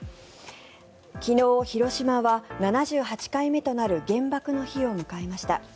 昨日、広島は７８回目となる原爆の日を迎えました。